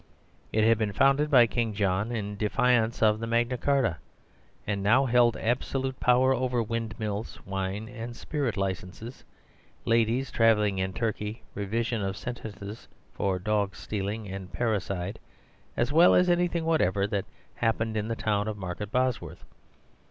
It had been founded by King John in defiance of the Magna Carta, and now held absolute power over windmills, wine and spirit licences, ladies traveling in Turkey, revision of sentences for dog stealing and parricide, as well as anything whatever that happened in the town of Market Bosworth.